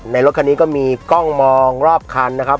รถคันนี้ก็มีกล้องมองรอบคันนะครับ